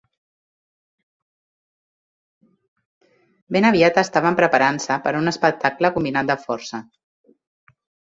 Ben aviat estaven preparant-se per a un espectacle combinat de força.